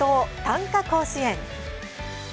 短歌甲子園」。